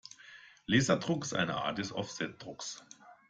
Laserdruck ist eine Art des Offsetdrucks.